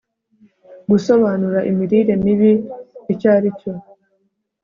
gusobanura imirire mibi icyo ari cyo